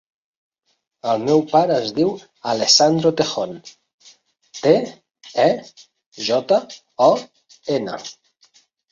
El meu pare es diu Alessandro Tejon: te, e, jota, o, ena.